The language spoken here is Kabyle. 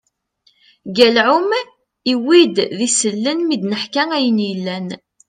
Galɛum i wid d-isellen, mi d-neḥka ayen yellan.